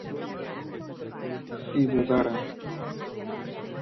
si dudaran